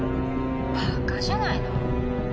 バッカじゃないの？